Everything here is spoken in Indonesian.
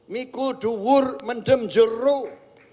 mikul duwur mendem jeruk